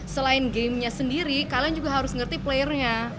selain gamenya sendiri kalian juga harus ngerti playernya